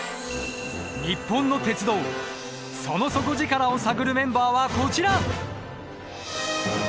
ニッポンの鉄道その底力を探るメンバーはこちら！